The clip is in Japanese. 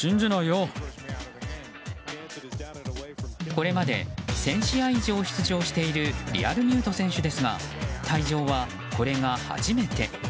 これまで１０００試合以上出場しているリアルミュート選手ですが退場はこれが初めて。